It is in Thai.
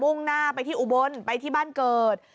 ่งหน้าไปที่อุบลไปที่บ้านเกิด